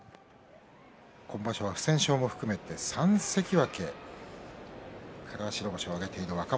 今場所は不戦勝も含めて３関脇から白星を挙げている若元